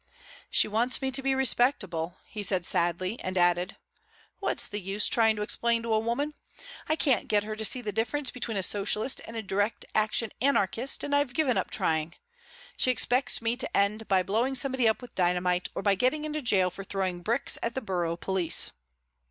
"She wants me to be respectable," he said sadly, and added, "What's the use trying to explain to a woman? I can't get her to see the difference between a socialist and a direct action anarchist and I've given up trying. She expects me to end by blowing somebody up with dynamite or by getting into jail for throwing bricks at the borough police."